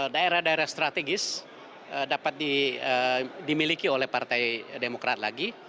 daerah daerah strategis dapat dimiliki oleh partai demokrat lagi